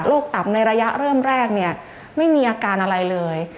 โรคตับในระยะเริ่มแรกไม่มีอาการอะไรเลย